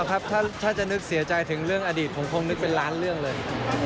ครับถ้าจะนึกเสียใจถึงเรื่องอดีตผมคงนึกเป็นล้านเรื่องเลย